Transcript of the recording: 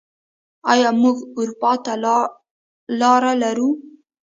آیا موږ اروپا ته لاره لرو؟